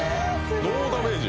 ノーダメージ。